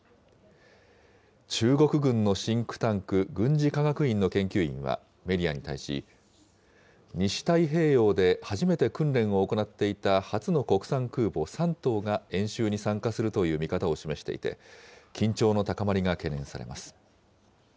中国軍のシンクタンク、軍事科学院の研究員はメディアに対し、西太平洋で初めて訓練を行っていた初の国産空母、山東が演習に参加するという見方を示していて、緊張の高まりが懸念されます。